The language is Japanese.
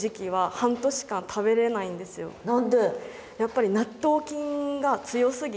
何で？